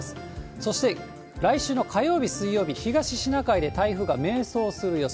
そして、来週の火曜日、水曜日、東シナ海で台風が迷走する予想。